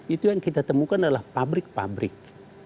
itu yang kita temukan adalah pabrik pabrik